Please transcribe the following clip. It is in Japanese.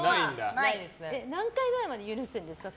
何回くらいまで許すんですか？